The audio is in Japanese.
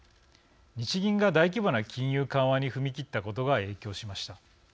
日銀が大規模な金融緩和に踏み切ったことが影響しました。